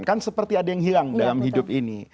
kan seperti ada yang hilang dalam hidup ini